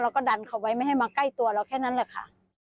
แล้วก็ดันเขาไว้ไม่ให้มาใกล้ตัวเราแค่นั้นแหละค่ะ